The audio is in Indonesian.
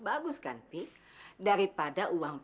aku bilang keluar